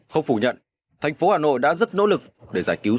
không phủ nhận thành phố hà nội đã rất nỗ lực để giải cứu